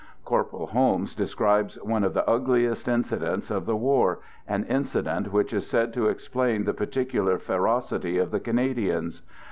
Corporal Holmes describes one of the ugliest inci t dents of the war, an incident which is said to explain! the particular ferocity of the Canadians.